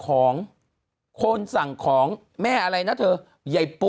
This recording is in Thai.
คุณหนุ่มกัญชัยได้เล่าใหญ่ใจความไปสักส่วนใหญ่แล้ว